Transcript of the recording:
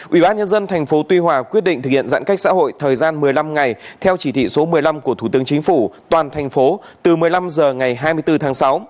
ubnd tp tuy hòa quyết định thực hiện giãn cách xã hội thời gian một mươi năm ngày theo chỉ thị số một mươi năm của thủ tướng chính phủ toàn thành phố từ một mươi năm h ngày hai mươi bốn tháng sáu